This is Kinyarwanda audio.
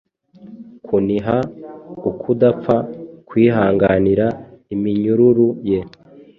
kuniha Ukudapfa kwihanganira iminyururu ye,